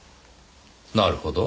なるほど。